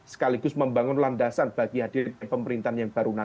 sekaligus membangun landasan bagi hadirnya pemerintahan yang baru nanti